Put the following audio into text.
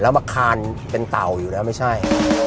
อาคารเป็นเต่าอยู่แล้วไม่ใช่